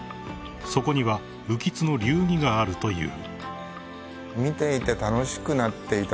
［そこには右橘の流儀があるという］